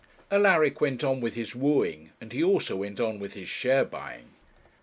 Alaric went on with his wooing, and he also went on with his share buying.